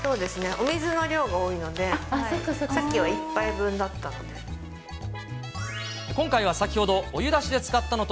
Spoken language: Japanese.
お水の量が多いので、さっきは１杯分だったので。